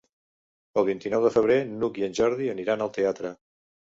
El vint-i-nou de febrer n'Hug i en Jordi aniran al teatre.